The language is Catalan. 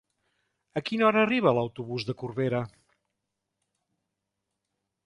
A quina hora arriba l'autobús de Corbera?